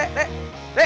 ada apa deh